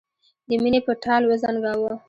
د مینې په ټال وزنګاوه.